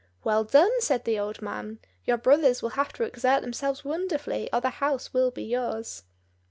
"Well done!" said the old man. "Your brothers will have to exert themselves wonderfully, or the house will be yours."